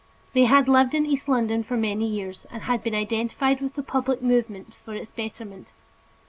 They had lived in East London for many years, and had been identified with the public movements for its betterment.